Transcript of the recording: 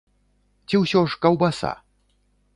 Ці ўсё ж каўбаса?